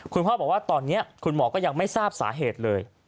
คุณพ่อบอกว่าตอนนี้คุณหมอก็ยังไม่ทราบสาเหตุเลย